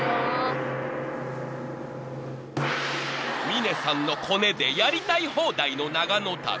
［峰さんのコネでやりたい放題の長野旅］